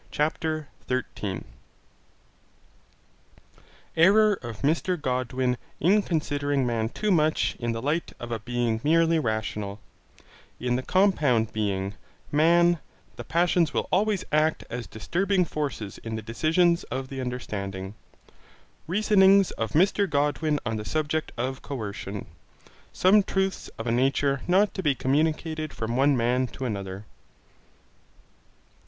CHAPTER 13 Error of Mr Godwin is considering man too much in the light of a being merely rational In the compound being, man, the passions will always act as disturbing forces in the decisions of the understanding Reasonings of Mr Godwin on the subject of coercion Some truths of a nature not to be communicated from one man to another.